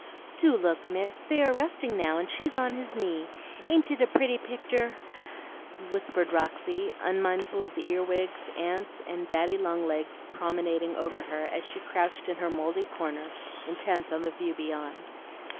"Do look, Miss; they are resting now, and she's on his knee. Ain't it a pretty picter?" whispered Roxy, unmindful of the earwigs, ants, and daddy long legs promenading over her as she crouched in her mouldy corner, intent on the view beyond.